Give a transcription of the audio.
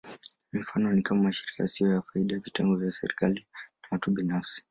Mifano ni kama: mashirika yasiyo ya faida, vitengo vya kiserikali, na watu binafsi.